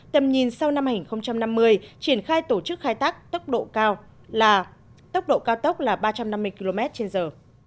tầm nhìn sau năm hai nghìn năm mươi triển khai tổ chức khai tác tốc độ cao tốc là ba trăm năm mươi km trên giờ